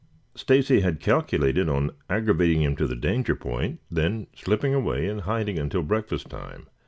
Stacy had calculated on aggravating them to the danger point, then slipping away and hiding until breakfast time.